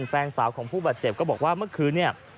แฟนสาวของผู้บาดเจ็บก็บอกว่าเมื่อคืนเนี่ย